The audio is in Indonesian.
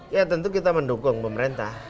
ya tentu kita mendukung pemerintah